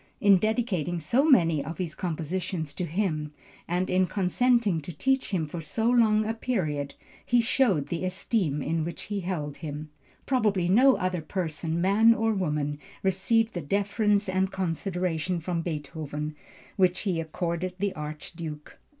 In dedicating so many of his compositions to him, and in consenting to teach him for so long a period, he showed the esteem in which he held him. Probably no other person, man or woman received the deference and consideration from Beethoven, which he accorded the Archduke.